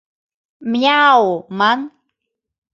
«Мяу» ман.